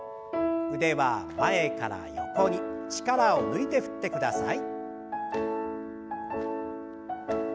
腕は前から横に力を抜いて振ってください。